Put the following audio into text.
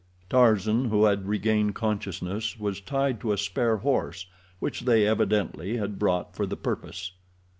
Tarzan, who had regained consciousness, was tied to a spare horse, which they evidently had brought for the purpose.